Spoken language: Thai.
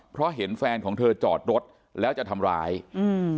เพราะเห็นแฟนของเธอจอดรถแล้วจะทำร้ายอืม